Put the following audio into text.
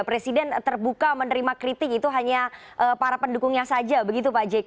presiden terbuka menerima kritik itu hanya para pendukungnya saja begitu pak jk